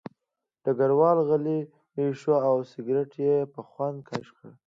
ډګروال غلی شو او سګرټ یې په خوند کش کړ